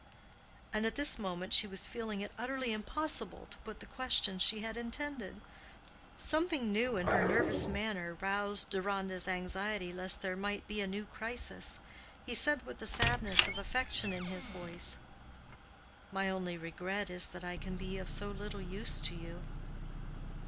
And at this moment she was feeling it utterly impossible to put the questions she had intended. Something new in her nervous manner roused Deronda's anxiety lest there might be a new crisis. He said with the sadness of affection in his voice, "My only regret is, that I can be of so little use to you."